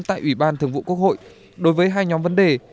tại ủy ban thường vụ quốc hội đối với hai nhóm vấn đề